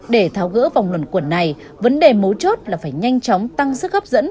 để tháo gỡ vòng luận quẩn này vấn đề mấu chốt là phải nhanh chóng tăng sức hấp dẫn